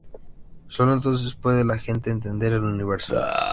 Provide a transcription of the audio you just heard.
Sólo entonces puede la gente entender el universo.